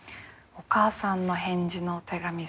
お母さんの返事のお手紙